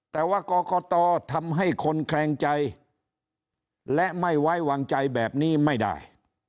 แต่ว่ากรกตทำให้คนแคลงใจและไม่ไว้วางใจแบบนี้ไม่ได้